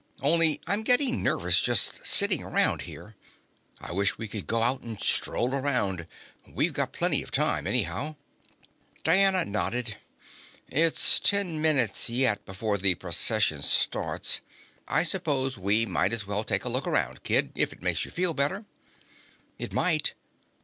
"Only I'm getting nervous just sitting around here. I wish we could go out and stroll around; we've got plenty of time, anyhow." Diana nodded. "It's ten minutes yet before the Procession starts. I suppose we might as well take a look around, kid, if it makes you feel better." "It might."